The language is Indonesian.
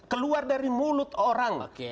keluar dari mulut orang